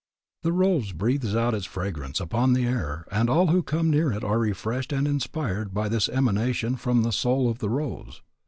The rose breathes out its fragrance upon the air and all who come near it are refreshed and inspired by this emanation from the soul of the rose.